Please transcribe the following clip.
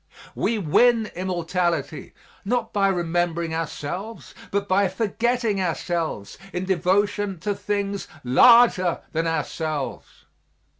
We win immortality, not by remembering ourselves, but by forgetting ourselves in devotion to things larger than ourselves.